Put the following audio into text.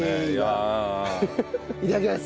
いただきます！